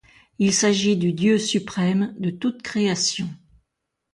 Il s'agit du dieu suprême de toute création.